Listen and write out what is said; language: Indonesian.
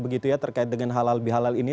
begitu ya terkait dengan halal bihalal ini